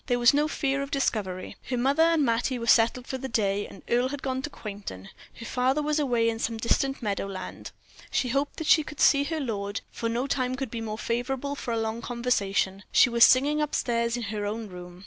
There was no fear of discovery. Her mother and Mattie were settled for the day, Earle had gone to Quainton, her father was away in some distant meadow land. She hoped that she could see her lord, for no time could be more favorable for a long conversation. She was singing up stairs in her own room.